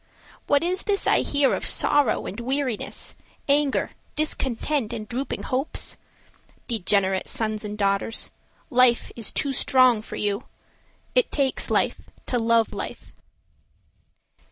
What is this I hear of sorrow and weariness, Anger, discontent and drooping hopes? Degenerate sons and daughters, Life is too strong for you— It takes life to love Life.